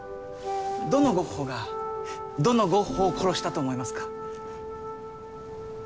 どのゴッホがどのゴッホを殺したと思いますか？